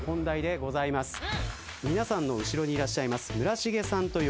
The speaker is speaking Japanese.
皆さんの後ろにいらっしゃいます。